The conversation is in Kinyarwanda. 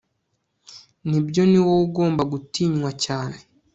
Nibyo ni wowe ugomba gutinywa cyane